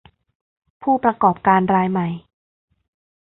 ผู้ประกอบการรายใหม่